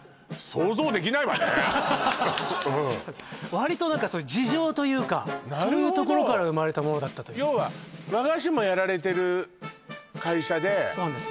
わりと何かそういう事情というかそういうところから生まれたものだったという要は和菓子もやられてる会社でそうなんです